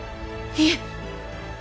いえ